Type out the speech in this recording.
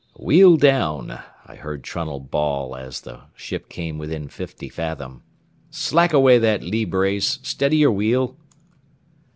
"Wheel down," I heard Trunnell bawl as the ship came within fifty fathom. "Slack away that lee brace; steady your wheel."